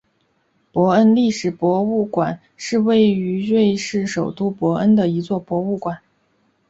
伯恩历史博物馆是位于瑞士首都伯恩的一座博物馆。